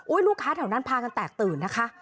ลูกค้าแถวนั้นพากันแตกตื่นนะคะ